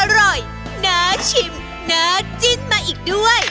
อร่อยน่าชิมน่าจิ้นมาอีกด้วย